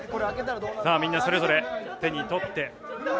みんなそれぞれ手に取って。